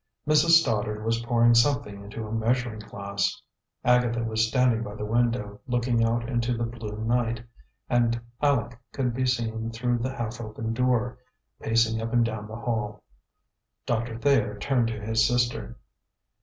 Mrs. Stoddard was pouring something into a measuring glass. Agatha was standing by the window, looking out into the blue night; and Aleck could be seen through the half open door, pacing up and down the hall. Doctor Thayer turned to his sister.